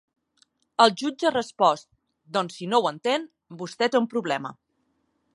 El jutge ha respost: Doncs si no ho entén, vostè té un problema.